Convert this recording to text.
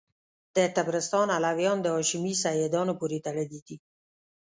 د طبرستان علویان د هاشمي سیدانو پوري تړلي دي.